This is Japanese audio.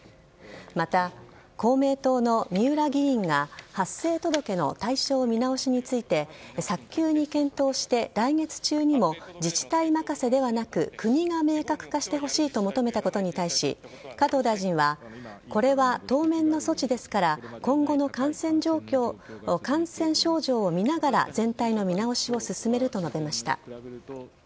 また、公明党の三浦議員が発生届の対象を見直しについて早急に検討して来月中にも自治体任せではなく国が明確化してほしいと求めたことに対し加藤大臣はこれは当面の措置ですから今後の感染症状を見ながら全体の見直しを進めると述べました。